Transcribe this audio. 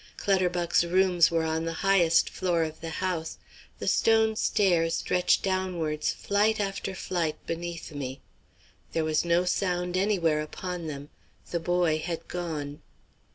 Clutterbuck's rooms were on the highest floor of the house; the stone stairs stretched downwards flight after flight beneath me. There was no sound anywhere upon them; the boy had gone.